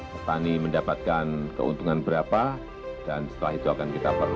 petani mendapatkan keuntungan berapa dan setelah itu akan kita perlukan